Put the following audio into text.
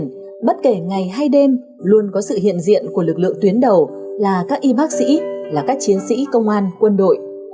tuy nhiên bất kể ngày hay đêm luôn có sự hiện diện của lực lượng tuyến đầu là các y bác sĩ là các chiến sĩ công an quân đội